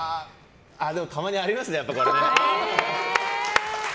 でもたまにありますね、これ。